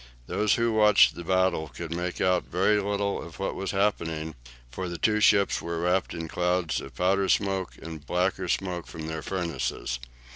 Those who watched the battle could make out very little of what was happening, for the two ships were wrapped in clouds of powder smoke and blacker smoke from their furnaces.